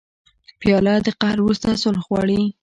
پیاله د قهر وروسته صلح غواړي.